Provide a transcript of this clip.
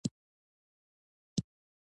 پنځمه پوښتنه دا ده چې حکومت تعریف کړئ.